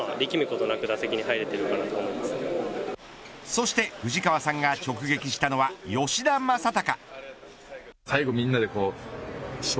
そして藤川さんが直撃したのは吉田正尚。